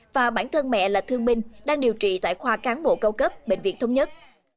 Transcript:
và bản thân mẹ là thương binh đang điều trị tại khoa cán bộ cao cấp bệnh viện thống nhất